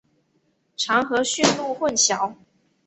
常和驯鹿混淆。